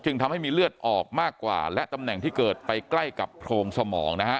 ทำให้มีเลือดออกมากว่าและตำแหน่งที่เกิดไปใกล้กับโพรงสมองนะฮะ